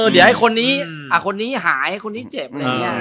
เดี๋ยวไอ้คนนี้คนนี้หายคนนี้เจ็บอะไรอย่างนี้